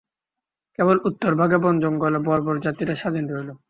কেবল উত্তরভাগে বনজঙ্গলে বর্বর-জাতিরা স্বাধীন রইল।